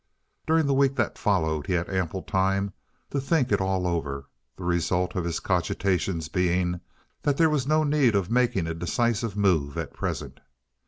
During the week that followed he had ample time to think it all over, the result of his cogitations being that there was no need of making a decisive move at present.